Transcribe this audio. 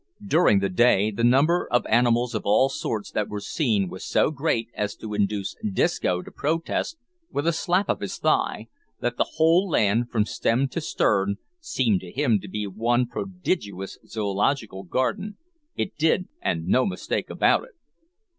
During the day, the number of animals of all sorts that were seen was so great as to induce Disco to protest, with a slap of his thigh, that the whole land, from stem to stern, seemed to him to be one prodigious zoological garden it did, an' no mistake about it.